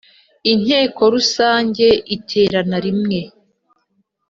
Inteko Rusange Iterana Rimwe